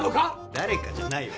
誰かじゃないわ！